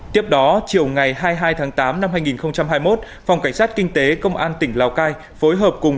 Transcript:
tiếp đó chiều ngày hai mươi hai tháng tám năm hai nghìn hai mươi một phòng cảnh sát kinh tế công an tỉnh lào cai phối hợp cùng